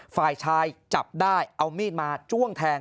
ฝ่ายชายจับได้เอามีดมาจ้วงแทง